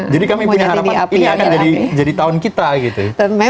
jadi kami punya harapan ini akan jadi tahun kita gitu